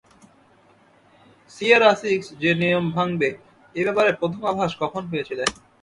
Sierra six যে নিয়ম ভাঙবে, এ ব্যাপারে প্রথম আভাস কখন পেয়েছিলে?